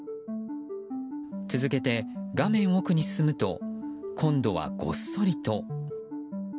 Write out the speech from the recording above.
続けて、画面奥に進むと今度はごっそりと。